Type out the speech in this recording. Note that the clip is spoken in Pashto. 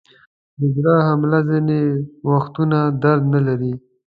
د زړه حمله ځینې وختونه درد نلري.